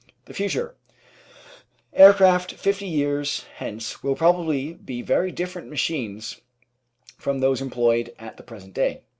The Future Aircraft fifty years hence will probably be very different machines from those employed at the present day.